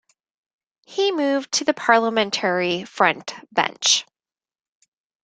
He moved to the parliamentary front bench.